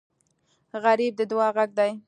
غریب د دعا غږ دی